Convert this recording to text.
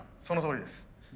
そのとおりです。